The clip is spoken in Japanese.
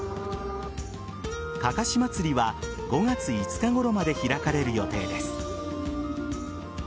かかしまつりは５月５日ごろまで開かれる予定です。